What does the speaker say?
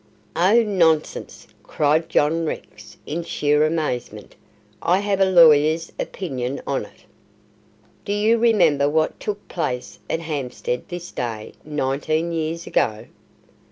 "Oh, nonsense!" cries John Rex, in sheer amazement. "I have a lawyer's opinion on it." "Do you remember what took place at Hampstead this day nineteen years ago?"